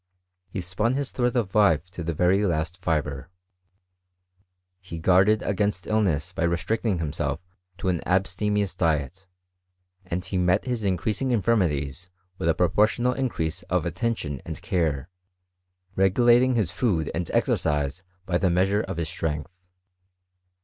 He spun his thread of life to the very last fibre. He guarded against illness by restricting himself to an .abstemious diet ; and he . met his increasing infirmities . with a Jroportional increase of attention and care, regulating is food and exercise by the measure of his strength.